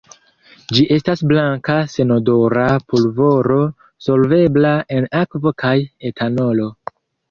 Ĝi estas blanka senodora pulvoro solvebla en akvo kaj etanolo.